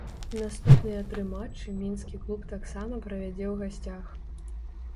Наступныя тры матчы мінскі клуб таксама правядзе ў гасцях.